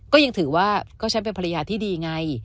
ก็ยังถือว่าก็ฉันเป็นภรรยาที่ดีไง